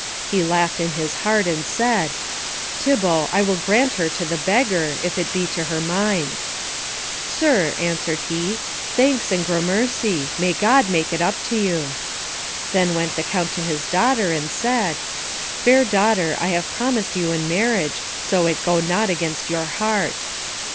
He laughed in his heart and said, "Thibault, I will grant her to the beggar, if it be to her mind." "Sir," answered he, "thanks and gramercy. May God make it up to you." Then went the Count to his daughter, and said, "Fair daughter, I have promised you in marriage, so it go not against your heart."